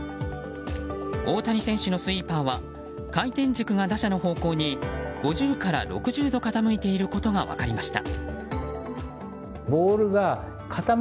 大谷選手のスイーパーは回転軸が打者の方向に５０から６０度傾いていることが分かりました。